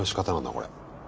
これ。